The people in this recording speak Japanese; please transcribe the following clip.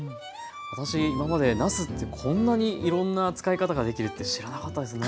私今までなすってこんなにいろんな使い方ができるって知らなかったですね。